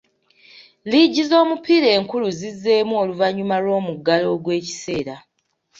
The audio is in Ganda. Liigi z'omupiira enkulu zizzeemu oluvannyuma lw'omuggalo ogw'ekiseera.